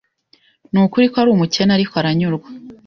Nukuri ko ari umukene, ariko aranyurwa.